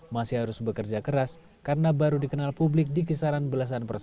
masih harus bekerja keras karena baru dikenal publik di kisah ini